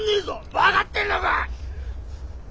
分がってんのが？